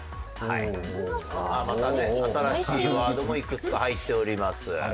またね新しいワードもいくつか入っております。